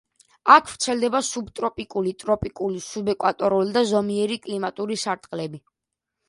აქ ვრცელდება სუბტროპიკული, ტროპიკული, სუბეკვატორული და ზომიერი კლიმატური სარტყლები.